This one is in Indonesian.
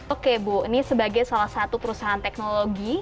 oke bu ini sebagai salah satu perusahaan teknologi